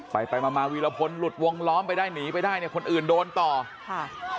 ไปไปมามาวีรพลหลุดวงล้อมไปได้หนีไปได้เนี่ยคนอื่นโดนต่อค่ะ